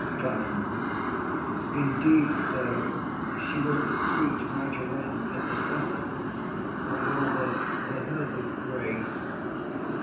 CLOWN. Indeed, sir, she was the sweet marjoram of the salad, or, rather, the herb of grace.